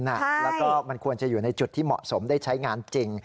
แล้วก็มันควรจะอยู่ในจุดที่เหมาะสมได้ใช้งานจริง